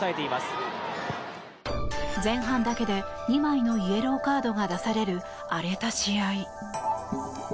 前半だけで２枚のイエローカードが出される荒れた試合。